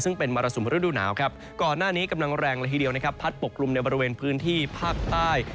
ซึ่งเป็นมรสุมฤดูหนาวครับก่อนหน้านี้กำลังแรงละทีเดียวนะครับพัดปกกลุ่มในบริเวณพื้นที่ภาคใต้